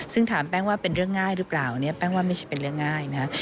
ซึ่งถามแป้งว่าเป็นเรื่องง่ายหรือเปล่าเนี่ยแป้งว่าไม่ใช่เป็นเรื่องง่ายนะ